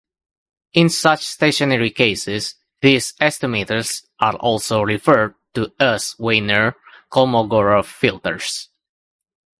In such stationary cases, these estimators are also referred to as Wiener-Kolmogorov filters.